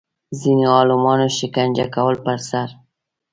ځینو عالمانو شکنجه کولو پر سر